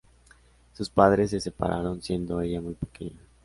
Sus padres se separaron siendo ella muy pequeña.